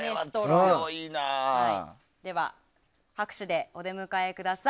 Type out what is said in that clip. では拍手でお出迎えください。